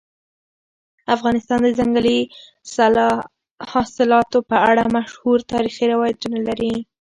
افغانستان د ځنګلي حاصلاتو په اړه مشهور تاریخي روایتونه لري.